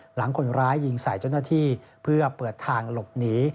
หลังคนร้ายยิงใส่เจ้าหน้าที่เพื่อเปิดทางหลบหนี